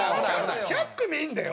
１００組いるんだよ？